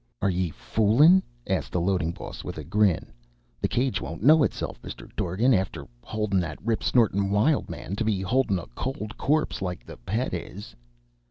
"Are ye foolin'?" asked the loading boss with a grin. "The cage won't know itself, Mister Dorgan, afther holdin' that rip snortin' Wild Man to be holdin' a cold corpse like the Pet is."